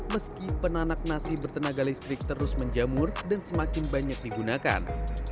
meski penanak nasi bertenaga listrik terus menjamur dan semakin banyak digunakan